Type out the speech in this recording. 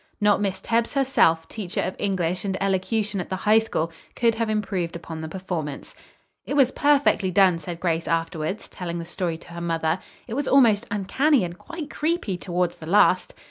Not Miss Tebbs, herself, teacher of English and elocution at the High School, could have improved upon the performance. "It was perfectly done," said Grace afterwards, telling the story to her mother. "It was almost uncanny and quite creepy toward the last."